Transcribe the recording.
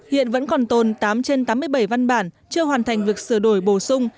hiện vẫn còn tồn tám trên tám mươi bảy văn bản chưa hoàn thành việc sửa đổi bổ sung